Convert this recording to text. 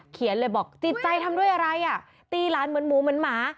เขียนเลยบอกจิตใจทำด้วยอะไรอ่ะตีหลานเหมือนหมูเหมือนหมา